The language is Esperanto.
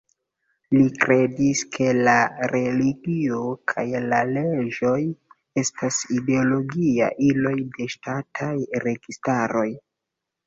Li kredis ke la religio kaj la leĝoj estas ideologiaj iloj de ŝtataj registaroj.